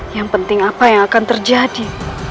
yang penting apa yang akan terjadi